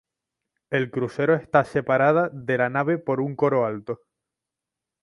El crucero está separada de la nave por un Coro alto.